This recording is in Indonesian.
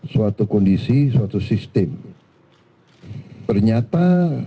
suatu kondisi suatu sistem ternyata